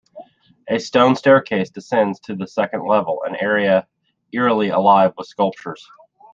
A stone staircase descends to the second level, an area eerily alive with sculptures.